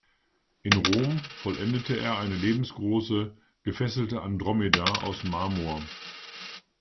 In Rom vollendete er eine lebensgroße "Gefesselte Andromeda" aus Marmor.